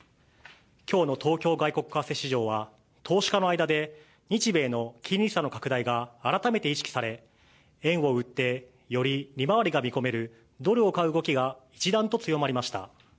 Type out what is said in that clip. きょうの東京外国為替市場は、投資家の間で、日米の金利差の拡大が改めて意識され、円を売って、より利回りが見込めるドルを買う動きが、一段と強まりました。